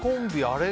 あれ